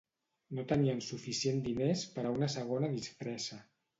No tenien suficient diners per una segona disfressa.